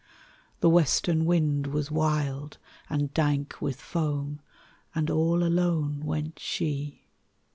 The western wind was wild and dank with foam, And all alone went she.